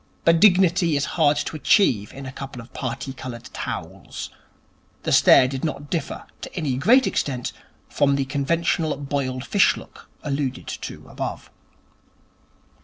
But dignity is hard to achieve in a couple of parti coloured towels. The stare did not differ to any great extent from the conventional boiled fish look, alluded to above.